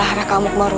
apa kalian tahu